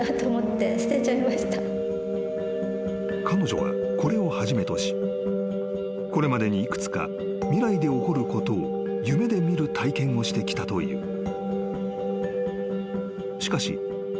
［彼女はこれをはじめとしこれまでに幾つか未来で起こることを夢で見る体験をしてきたという］